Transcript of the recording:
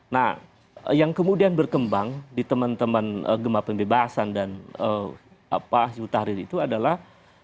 nah yang kemudian berkembang di teman teman gemah pembebasan dan tahrir itu adalah